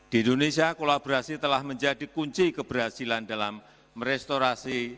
di indonesia kolaborasi telah menjadi kunci keberhasilan dalam merestorasi